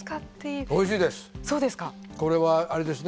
おいしいです！